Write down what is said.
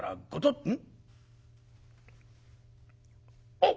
あっ！